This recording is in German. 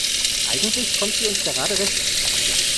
Eigentlich kommt sie uns gerade recht.